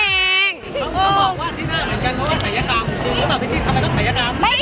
เขาบอกว่าที่หน้าเหมือนกันเพราะว่าสายยากรรมคุณรู้หรือเปล่าพี่จิ๊ดทำไมต้องสายยากรรม